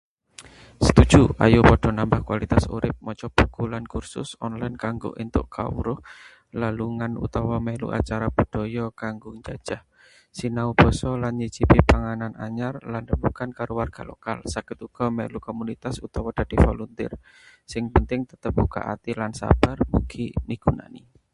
Setuju! Ayo padha nambah kualitas urip: maca buku lan kursus online kanggo entuk kawruh; lelungan utawa melu acara budaya kanggo njajah; sinau basa lan nyicipi panganan anyar, lan rembugan karo warga lokal. Saged uga melu komunitas utawa dadi volunteer. Sing penting tetep mbukak ati lan sabar — mugi migunani.